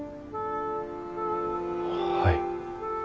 はい。